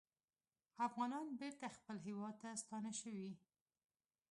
افغانان بېرته خپل هیواد ته ستانه شوي